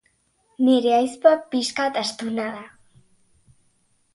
Teknika horiek zenbakien teoriaren emaitza aurreratuenak erabiltzen dituzte.